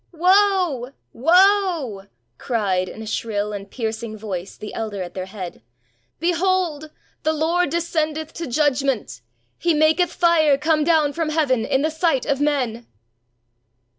"Woe! woe!" cried, in a shrill and piercing voice, the elder at their head. "Behold! the Lord descendeth to judgment! He maketh fire come down from heaven in the sight of men!